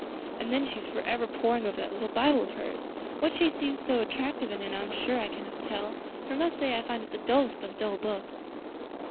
And then she is forever poring over that little Bible of hers; what she sees so attractive in it I'm sure I cannot tell, for I must say I find it the dullest of dull books."